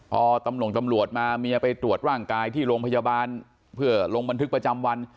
พอตำรวจมาเมียไปตรวจร่างกายที่โรงพยาบาลเพื่อลงบันทึกประจำวัน